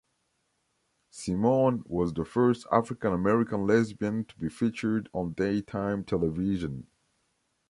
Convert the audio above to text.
Simone was the first African-American lesbian to be featured on daytime television.